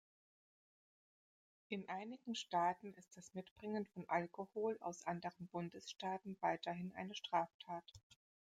In einigen Staaten ist das Mitbringen von Alkohol aus anderen Bundesstaaten weiterhin eine Straftat.